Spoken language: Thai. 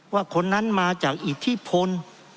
ว่าคนนั้นมาจากอิทธิพล